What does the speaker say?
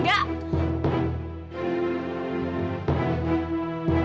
lo rebut aja